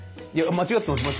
間違ってます。